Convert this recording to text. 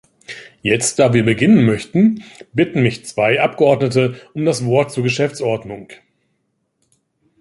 Jetzt, da wir beginnen möchten, bitten mich zwei Abgeordnete um das Wort zur Geschäftsordnung.